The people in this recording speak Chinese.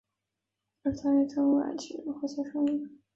而他也经营排污渠的隔气活塞生意。